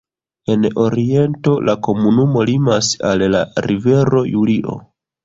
En oriento la komunumo limas al la rivero Julio.